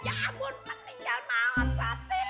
ya ampun tinggal mawap hati